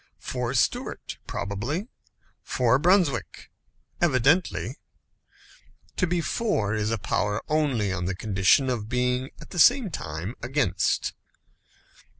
For Stuart, probably; for Brunswick, evidently. To be For is a power only on the condition of being at the same time Against.